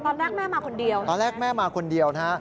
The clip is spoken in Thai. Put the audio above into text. แม่มาคนเดียวตอนแรกแม่มาคนเดียวนะฮะ